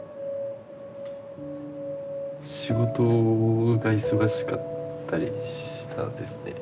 仕事が忙しかったりしたんですね。